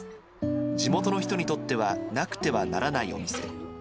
地元の人にとってはなくてはならないお店。